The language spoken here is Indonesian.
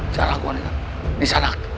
jangan lakukan itu nisanak